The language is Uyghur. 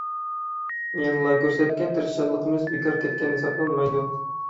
يەنىلا كۆرسەتكەن تىرىشچانلىقىمىز بىكار كەتكەن ھېسابلانمايدۇ.